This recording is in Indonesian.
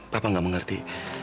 papa gak mengerti